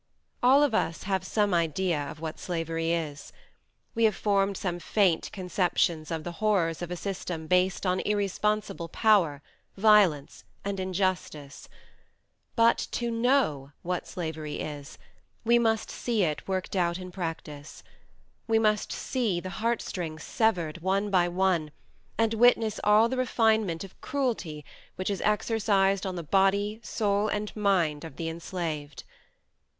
All of us have some idea what slavery is: we have formed some faint conceptions of the horrors of a system based on irresponsible power, violence, and injustice; but to know what slavery is, we must see it worked out in practice we must see the heart strings severed one by one, and witness all the refinement of cruelty which is exercised on the body, soul, and mind of the enslaved.